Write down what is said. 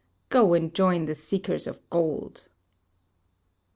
Go and join the seekers of gold.